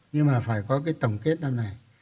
nhưng mà phải có cái tổng kết năm này